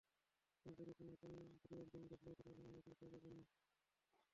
ফেসবুকে কোনো পর্নো ভিডিওর লিংক দেখলেই তাতে সঙ্গে সঙ্গে ক্লিক করে বসবেন না।